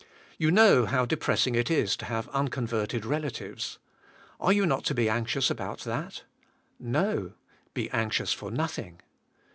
" You know how depress ing it is to have unconverted relatives. Are you not to be anxious about that? No. "Be anxious for nothing."